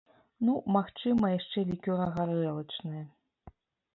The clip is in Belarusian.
Ну, магчыма, яшчэ лікёра-гарэлачная.